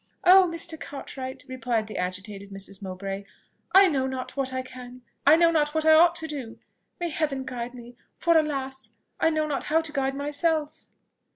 "Oh, Mr. Cartwright!" replied the agitated Mrs. Mowbray, "I know not what I can I know not what I ought to do. May Heaven guide me! for, alas! I know not how to guide myself!"